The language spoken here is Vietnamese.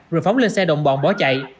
rồi phóng lên xe động bọn bỏ chạy